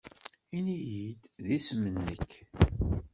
Ini-iyi-d isem-nnek.